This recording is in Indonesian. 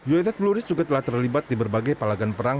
uss blue risk juga telah terlibat di berbagai palagan perang